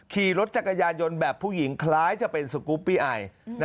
ขี่รถจักรยานยนต์แบบผู้หญิงคล้ายจะเป็นสกุปปี้ไอ